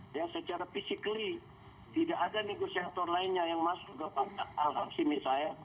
dan secara fisik tidak ada negosiator lainnya yang masuk ke al hasimi saya